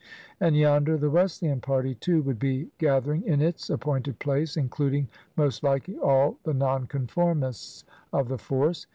And yonder the Wesleyan party, too, would be gather ing in its appointed place, including most likely all the Nonconformists of the force.